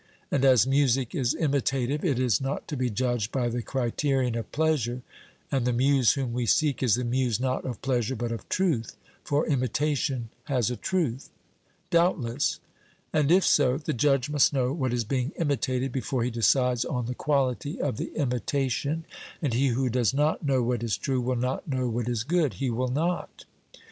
And as music is imitative, it is not to be judged by the criterion of pleasure, and the Muse whom we seek is the muse not of pleasure but of truth, for imitation has a truth. 'Doubtless.' And if so, the judge must know what is being imitated before he decides on the quality of the imitation, and he who does not know what is true will not know what is good. 'He will not.'